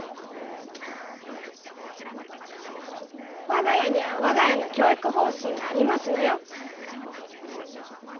わが家にはわが家の教育方針がありますのよ。